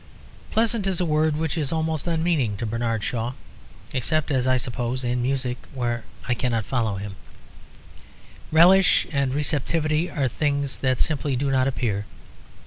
"Pleasant" is a word which is almost unmeaning to Bernard Shaw. Except, as I suppose, in music (where I cannot follow him), relish and receptivity are things that simply do not appear.